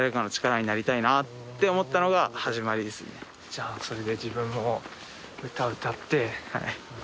じゃあそれで自分も歌歌って。